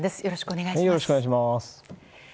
よろしくお願いします。